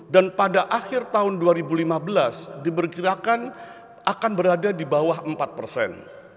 dan pada akhir tahun dua ribu lima belas diberkirakan akan berada di bawah empat persen